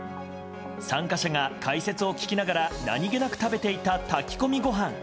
参加者が解説を聞きながら何気なく食べていた炊き込みご飯。